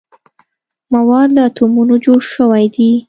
مواد له اتومونو جوړ شوي دي.